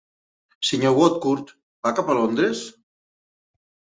Sr. Woodcourt, va cap a Londres?